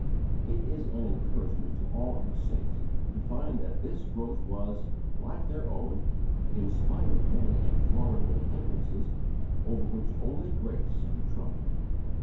It is an encouragement to all other saints to find that this growth was, like their own, in spite of many and formidable hindrances, over which only grace could triumph.